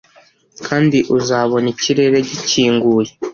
kandi uzabona ikirere gikinguye